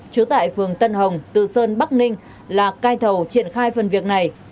chứa tại phường tân hồng từ sơn bắc ninh là cây thầu triển khai phần việc này